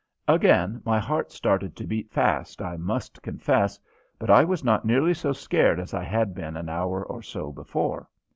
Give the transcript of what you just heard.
Again my heart started to beat fast, I must confess, but I was not nearly so scared as I had been an hour or so before.